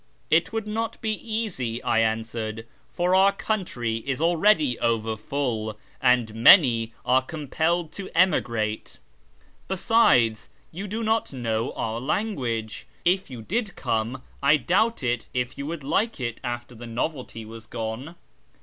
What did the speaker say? " It would not be easy," I answered, " for our country is already over full, and many are compelled to emigrate. Besides, you do not know our language. If you did come, I doubt if you would like it after the novelty was gone.